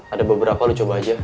ada beberapa lu coba aja